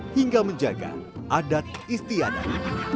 hingga menjaga adat istiadat